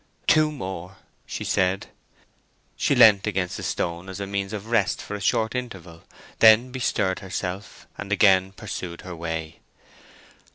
"Two more!" she said. She leant against the stone as a means of rest for a short interval, then bestirred herself, and again pursued her way.